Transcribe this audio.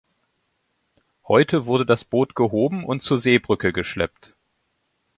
Heute wurde das Boot gehoben und zur Seebrücke geschleppt.